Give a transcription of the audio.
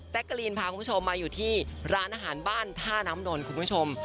กะลีนพาคุณผู้ชมมาอยู่ที่ร้านอาหารบ้านท่าน้ำนนท์คุณผู้ชม